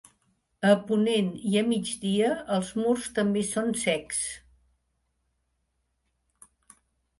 A ponent i a migdia els murs també són cecs.